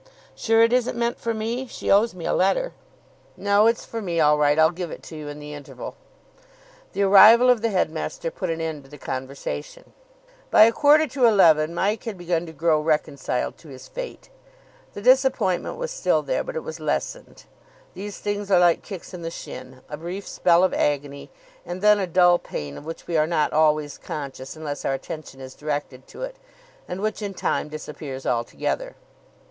Sure it isn't meant for me? She owes me a letter." "No, it's for me all right. I'll give it you in the interval." The arrival of the headmaster put an end to the conversation. By a quarter to eleven Mike had begun to grow reconciled to his fate. The disappointment was still there, but it was lessened. These things are like kicks on the shin. A brief spell of agony, and then a dull pain of which we are not always conscious unless our attention is directed to it, and which in time disappears altogether.